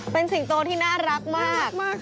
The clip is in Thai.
เป็นสิงโตที่น่ารักมาก